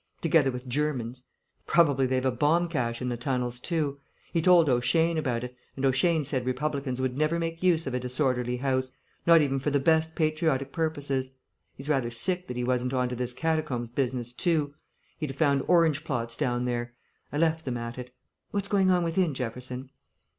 Together with Germans. Probably they've a bomb cache in the tunnels too. He told O'Shane about it, and O'Shane said republicans would never make use of a disorderly house, not even for the best patriotic purposes. He's rather sick that he wasn't on to this catacombs business too; he'd have found Orange plots down there. I left them at it.... What's going on within, Jefferson?"